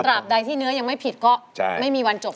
บใดที่เนื้อยังไม่ผิดก็ไม่มีวันจบ